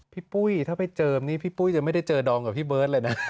ปุ้ยถ้าไปเจิมนี่พี่ปุ้ยจะไม่ได้เจอดองกับพี่เบิร์ตเลยนะ